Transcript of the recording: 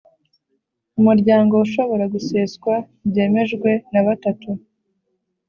Umuryango ushobora guseswa byemejwe na batatu